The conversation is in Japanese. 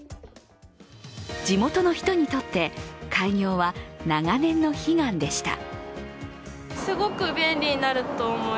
地元の人にとって開業は長年の悲願でした。